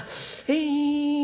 えい。